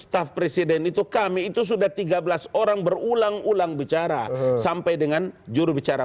kata staf presiden itu kami itu sudah tiga belas orang berulang ulang bicara sampai dengan juru bicara